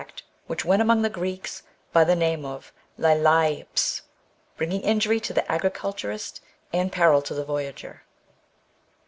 175 feet which went among the Greeks by the name of Xai\axf/j bringing injury to the agriculturist and peril to the voyager.